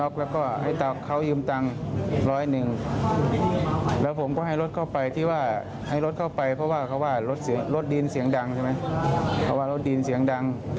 เขาว่ารถดีนเสียงดัง